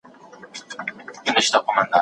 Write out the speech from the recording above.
ښوونکي تر اوسه په پښتو درس ورکړی دی.